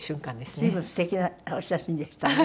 随分素敵なお写真でしたね。